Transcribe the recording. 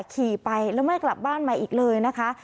ขี่ไปแล้วไม่กลับบ้านมาอีกเลยนะคะ